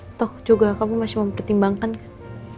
atau juga kamu masih mempertimbangkan kan